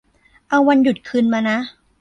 เอาวันหยุดคืนมานะ